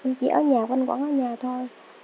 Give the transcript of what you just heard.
em chỉ ở nhà văn quản ở nhà thôi